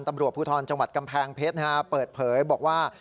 ตำรวจภูทรจังหวัดกำแพงเพชรเปิดเผยบอกว่า